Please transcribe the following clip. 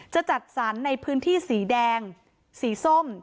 จะจัดสรรในพื้นที่สีแดงสีส้ม